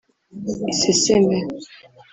iseseme